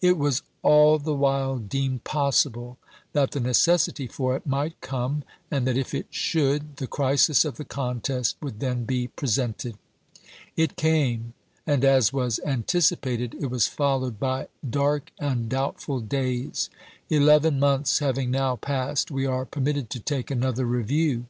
It was all tlie while deemed possible that the necessity for it might come, and that if it should the crisis of the contest would then be presented. It came, and, as was anticipated, it was followed by dark and doubtful days. Eleven months having now passed, we are permitted to take another review.